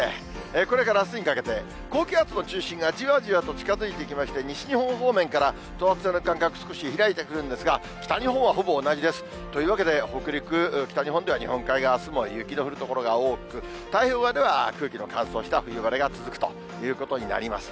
これからあすにかけて、高気圧の中心がじわじわと近づいてきまして、西日本方面から等圧線の間隔、少し開いてくるんですが、北日本はほぼ同じです。というわけで北陸、北日本では、日本海側、あすも雪の降る所が多く、太平洋側では空気の乾燥した冬晴れが続くということになります。